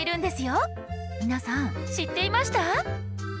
皆さん知っていました？